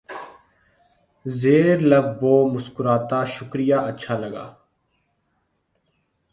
زیر لب وہ مسکراتا شکریہ اچھا لگا